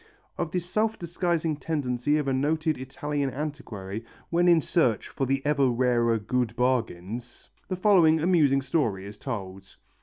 Of the self disguising tendency of a noted Italian antiquary when in search for the ever rarer good bargains, the following amusing story is told.